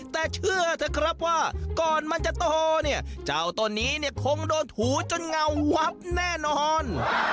แต่เชื่อเถอะครับว่าก่อนมันจะโตเนี่ยเจ้าตัวนี้เนี่ยคงโดนถูจนเงาวับแน่นอน